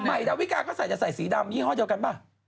ดาวิกาก็ใส่จะใส่สีดำยี่ห้อเดียวกันป่ะ